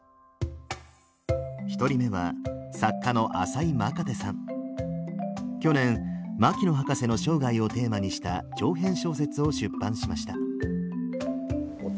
１人目は去年牧野博士の生涯をテーマにした長編小説を出版しました。